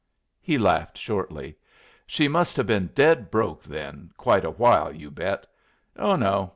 He laughed shortly. "She must have been dead broke, then, quite a while, you bet! Oh no.